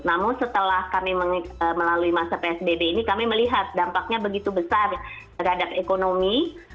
namun setelah kami melalui masa psbb ini kami melihat dampaknya begitu besar terhadap ekonomi